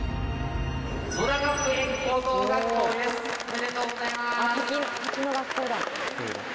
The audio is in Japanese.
おめでとうございます。